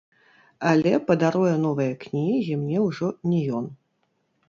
Але падаруе новыя кнігі мне ўжо не ён.